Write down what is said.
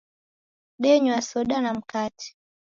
Denywa soda na mkate